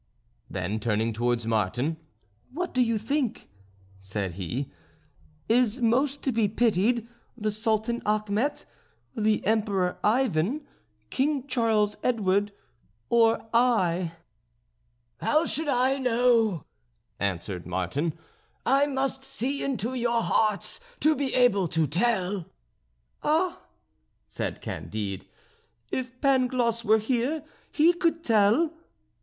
Then, turning towards Martin: "Who do you think," said he, "is most to be pitied the Sultan Achmet, the Emperor Ivan, King Charles Edward, or I?" "How should I know!" answered Martin. "I must see into your hearts to be able to tell." "Ah!" said Candide, "if Pangloss were here, he could tell."